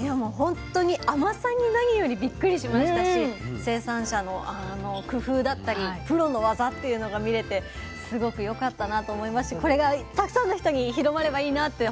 いやもうほんとに甘さに何よりびっくりしましたし生産者の工夫だったりプロの技っていうのが見れてすごくよかったなと思いましてこれがたくさんの人に広まればいいなって